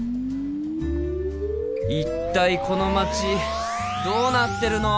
一体この街どうなってるの！？